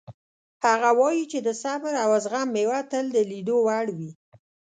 هغه وایي چې د صبر او زغم میوه تل د لیدو وړ وي